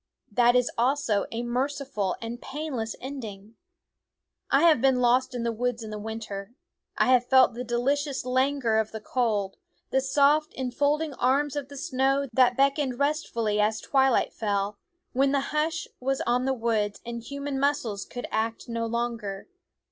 That is also a merciful and painless ending. I have been lost in the woods in winter. I have felt the delicious languor of the cold, the soft infolding arms of the snow that beckoned restfully as twilight fell, when the hush was on the woods and human muscles could act no longer.